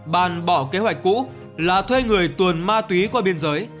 bàn bỏ kế hoạch cũ là thuê người tuồn ma túy qua biên giới